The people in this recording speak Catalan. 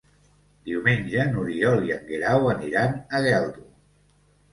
Diumenge n'Oriol i en Guerau aniran a Geldo.